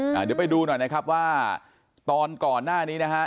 เดี๋ยวไปดูหน่อยนะครับว่าตอนก่อนหน้านี้นะฮะ